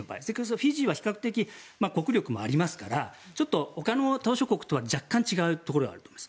フィジーは比較的国力もありますからほかの島しょ国とは若干、違うところがあると思います。